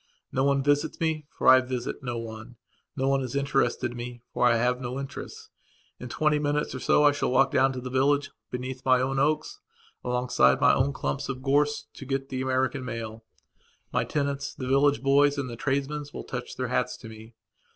No one visits me, for I visit no one. No one is interested in me, for I have no interests. In twenty minutes or so I shall walk down to the village, beneath my own oaks, alongside my own clumps of gorse, to get the American mail. My tenants, the village boys and the tradesmen will touch their hats to me.